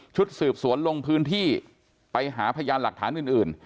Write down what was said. ชุดสืบสวนลงพื้นที่ไปหาพยานหลักฐานอื่น